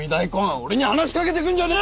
俺に話しかけてくんじゃねえよ！